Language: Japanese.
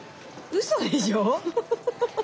うそでしょ？